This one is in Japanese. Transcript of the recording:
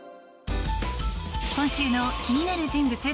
今週の気になる人物